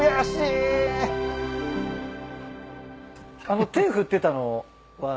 あの手振ってたのは？